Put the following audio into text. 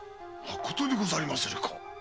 まことでござりまするか？